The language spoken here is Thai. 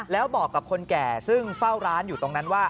แล้วบอกกับคนแก่ซึ่งเฝ้าร้านอยู่ตรงนั้นว่า